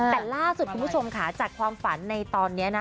แต่ล่าสุดคุณผู้ชมค่ะจากความฝันในตอนนี้